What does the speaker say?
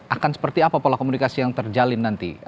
akan seperti apa pola komunikasi yang terjalin nanti